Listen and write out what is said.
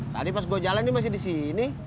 tadi pas gue jalan dia masih disini